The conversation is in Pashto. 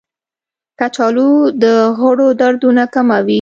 کچالو د غړو دردونه کموي.